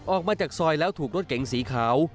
ออกมาจากซอยแล้วถูกรถเก๋งสีขาว